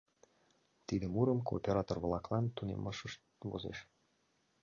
Тиде мурым кооператор-влаклан тунемашышт возеш.